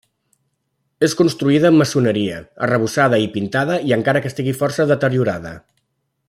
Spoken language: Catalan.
És construïda amb maçoneria, arrebossada i pintada, encara que estigui força deteriorada.